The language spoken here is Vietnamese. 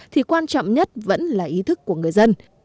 thì quan trọng nhất vẫn là ý thức của người dân